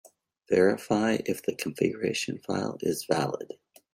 Verify if the configuration file is valid.